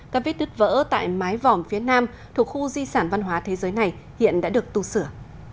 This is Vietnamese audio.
các vết nứt vỡ tại mái vòm phía nam thuộc khu di sản văn hóa thế giới này hiện đã được tu sửa